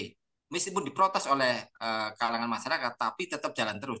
misalnya misalnya pun diprotes oleh kalangan masyarakat tapi tetap jalan terus